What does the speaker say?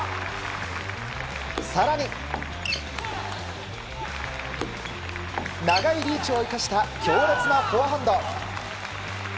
更に、長いリーチを生かした強烈なフォアハンド。